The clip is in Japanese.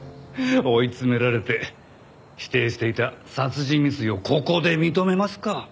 追い詰められて否定していた殺人未遂をここで認めますか。